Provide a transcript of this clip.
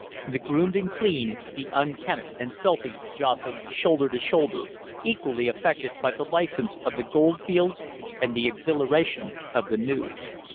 The groomed and clean, the unkempt and filthy jostled shoulder to shoulder, equally affected by the license of the goldfields and the exhilaration of the New.